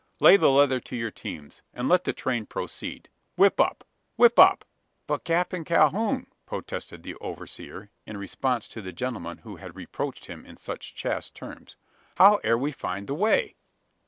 Lay the leather to your teams, and let the train proceed. Whip up! whip up!" "But, Captain Calhoun," protested the overseer, in response to the gentleman who had reproached him in such chaste terms; "how air we to find the way?"